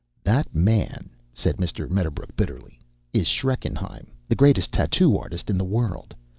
"That man," said Mr. Medderbrook bitterly, "is Schreckenheim, the greatest tattoo artist in the world.